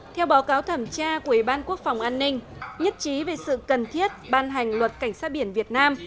theo báo cáo thẩm tra của ủy ban quốc phòng an ninh nhất trí về sự cần thiết ban hành luật cảnh sát biển việt nam